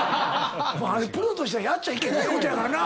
プロとしてはやっちゃいけないことやからな。